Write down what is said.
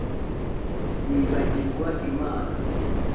Bibagirwa Imana